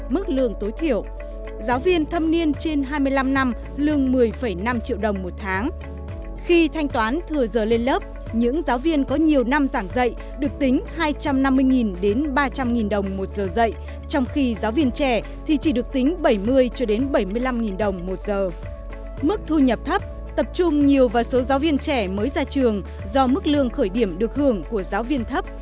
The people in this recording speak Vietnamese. mức thu nhập thấp tập trung nhiều vào số giáo viên trẻ mới ra trường do mức lương khởi điểm được hưởng của giáo viên thấp